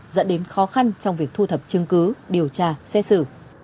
dẫn đến khó khăn trong việc thu thập chứng cứ điều tra xét xử